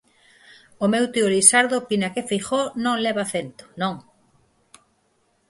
O meu tío Lisardo opina que Feijóo non leva acento, non.